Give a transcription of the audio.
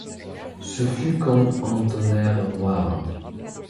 Ce fut comme un tonnerre noir.